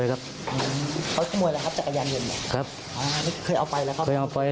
แล้วคือเมื่อคืนนี้คือเขามาทัศน์ไม่คิดยังเอาอีก